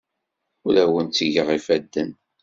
Ur awen-ttgeɣ ifadden.